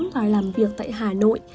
và làm việc tại hà nội